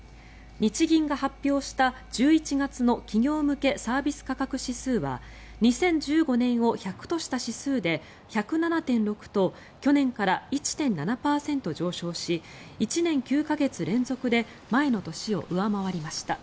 日銀が発表した、１１月の企業向けサービス価格指数は２０１５年を１００とした指数で１０７．６と去年から１．７％上昇し１年９か月連続で前の年を上回りました。